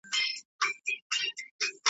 له حملو د ګیدړانو د لېوانو .